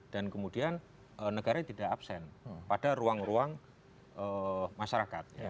dan kemudian negara tidak absen pada ruang ruang masyarakat